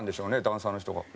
ダンサーの人が。